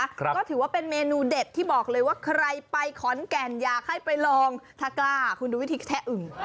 ก็ถือว่าเป็นเมนูเด็ดที่บอกเลยว่าใครไปขอนแก่นอยากให้ไปลองถ้ากล้าคุณดูวิธีแคะอึ่ง